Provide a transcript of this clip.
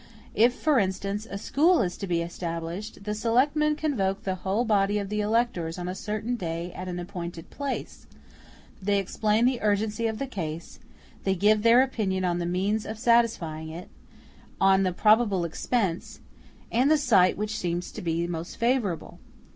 If, for instance, a school is to be established, the selectmen convoke the whole body of the electors on a certain day at an appointed place; they explain the urgency of the case; they give their opinion on the means of satisfying it, on the probable expense, and the site which seems to be most favorable.